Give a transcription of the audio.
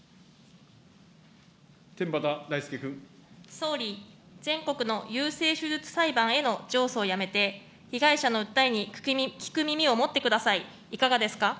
総理、全国の優生手術裁判への上訴をやめて、被害者の訴えに聞く耳を持ってください。